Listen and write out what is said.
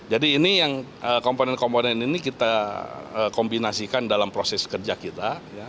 jadi ini yang komponen komponen ini kita kombinasikan dalam proses kerja kita